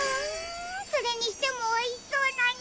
それにしてもおいしそうなにおい！